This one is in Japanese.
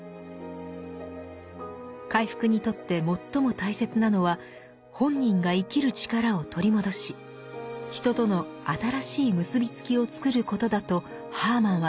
回復にとって最も大切なのは本人が生きる力を取り戻し人との新しい結びつきを作ることだとハーマンは言います。